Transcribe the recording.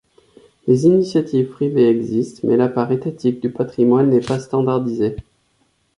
Les initiatives privées existent mais la part étatique du patrimoine n'est pas standardisée.